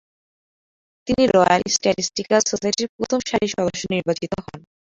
তিনি ‘royal statistical সোসাইটির’ প্রথম সারির সদস্য নির্বাচিত হন।